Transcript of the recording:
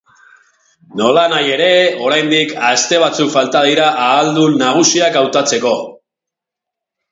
Nolanahi ere, oraindik aste batzuk falta dira ahaldun nagusiak hautatzeko.